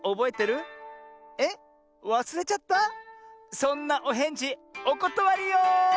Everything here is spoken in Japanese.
そんなおへんじおことわりよ！